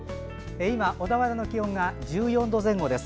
今、小田原の気温が１４度前後です。